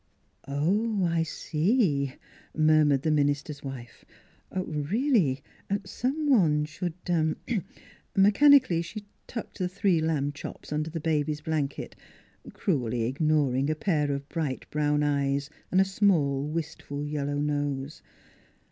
NEIGHBORS 167 " Oh, I see " murmured the minister's wife. " Really, some one should " Mechanically she tucked the three lamb chops under the baby's blanket, cruelly ignoring a pair of bright brown eyes and a small, wistful yellow nose.